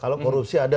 kalau korupsi ada